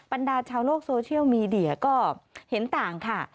บรรดาชาวโลกโซเชียลมีเดียก็เห็นต่างค่ะ